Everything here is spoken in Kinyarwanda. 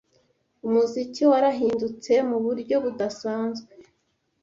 Umuziki warahindutse mu buryo budasanzwe